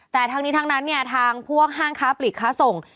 แต่ทั้งนี้ทั้งนั้นเนี่ยทางพวกห้างค้าปลีกค้าส่ง